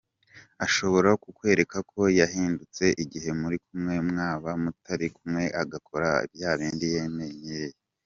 Ashobora kukwerekako yahindutse igihe muri kumwe mwaba mutari kumwe agakora byabindi yamenyereye.